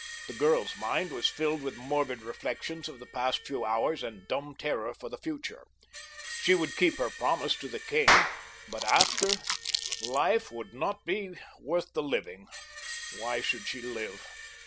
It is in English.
The girl's mind was filled with morbid reflections of the past few hours and dumb terror for the future. She would keep her promise to the king; but after—life would not be worth the living; why should she live?